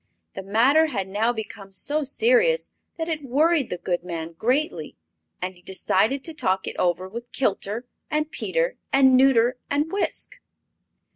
The matter had now become so serious that it worried the good man greatly, and he decided to talk it over with Kilter and Peter and Nuter and Wisk.